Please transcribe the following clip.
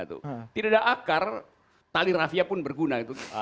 tidak ada akar tali rafia pun berguna